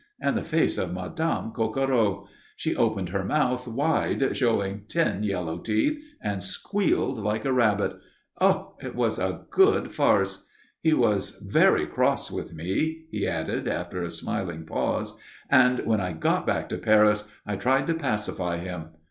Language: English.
And the face of Madame Coquereau! She opened her mouth wide showing ten yellow teeth and squealed like a rabbit! Oh, it was a good farce! He was very cross with me," he added after a smiling pause, "and when I got back to Paris I tried to pacify him."